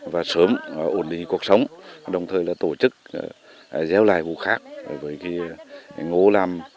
và sớm ổn định cuộc sống đồng thời tổ chức gieo lại vụ khác với ngô làm